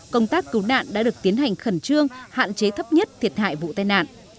công tác cứu nạn đã được tiến hành khẩn trương hạn chế thấp nhất thiệt hại vụ tai nạn